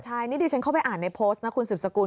ใช่นี่ดิฉันเข้าไปอ่านในโพสต์นะคุณสืบสกุล